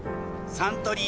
サントリー